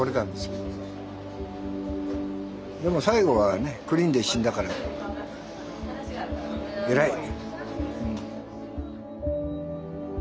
でも最後はねクリーンで死んだから偉い。